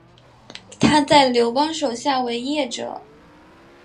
他在刘邦手下为谒者。